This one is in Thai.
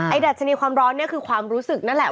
ดัชนีความร้อนเนี่ยคือความรู้สึกนั่นแหละ